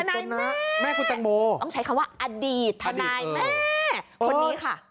แม่คุณแตงโมต้องใช้คำว่าอดีตทนายแม่คนนี้ค่ะ